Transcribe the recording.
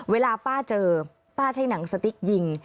เวลาป้าเจอป้าใช้หนังสติ๊กยิง